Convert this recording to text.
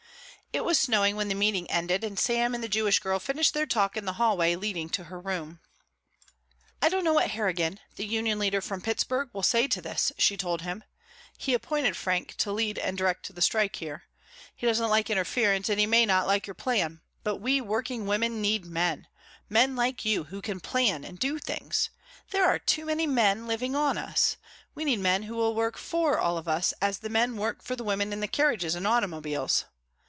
It was snowing when the meeting ended, and Sam and the Jewish girl finished their talk in the hallway leading to her room. "I don't know what Harrigan, the union leader from Pittsburgh, will say to this," she told him. "He appointed Frank to lead and direct the strike here. He doesn't like interference and he may not like your plan. But we working women need men, men like you who can plan and do things. There are too many men living on us. We need men who will work for all of us as the men work for the women in the carriages and automobiles."